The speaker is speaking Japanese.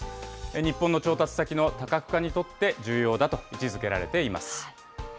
日本の調達先の多角化にとって重要だと位置づけられています。